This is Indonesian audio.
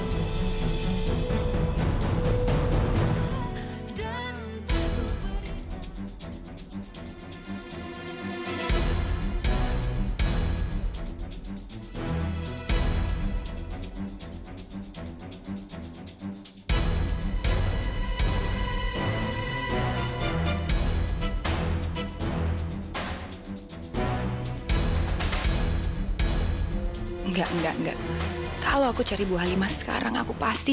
kalau aku cari bu halimah sekarang aku pasti dicurigain native dari this page